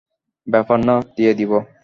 ব্যাপার না, দিয়ে দিব।